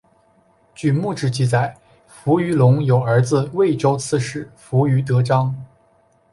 据墓志记载扶余隆有儿子渭州刺史扶余德璋。